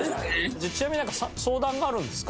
ちなみになんか相談があるんですか？